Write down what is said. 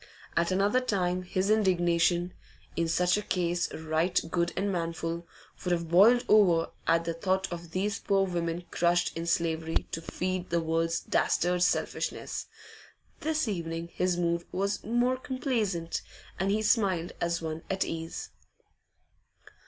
At another time his indignation in such a case right good and manful would have boiled over at the thought of these poor women crushed in slavery to feed the world's dastard selfishness; this evening his mood was more complaisant, and he smiled as one at ease.